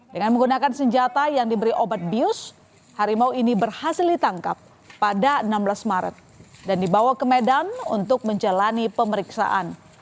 dengan menggunakan senjata yang diberi obat bius harimau ini berhasil ditangkap pada enam belas maret dan dibawa ke medan untuk menjalani pemeriksaan